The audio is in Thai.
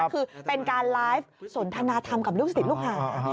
คือเป็นการไลฟ์สนทนาธรรมกับลูกศิษย์ลูกหา